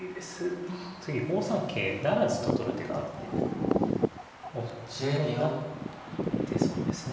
次５三桂不成と取る手があって詰めろになってそうですね